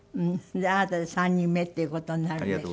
あなたで３人目っていう事になるんですけど。